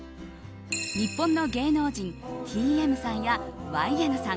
日本の芸能人Ｔ・ＭさんやＹ・Ｎさん